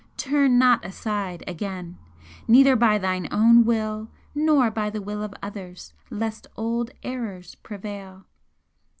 Turn not aside again, neither by thine own will nor by the will of others, lest old errors prevail.